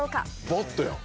バットやん！